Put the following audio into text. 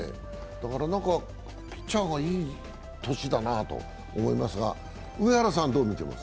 だからピッチャーがいい年だなと思いますが。